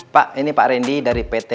pak ini pak randy dari pt